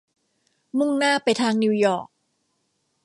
มุ่งหน้าไปทางนิวยอร์ก